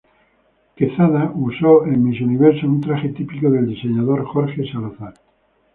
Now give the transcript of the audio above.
Quezada usó en Miss Universo un traje típico del diseñador Jorge Salazar.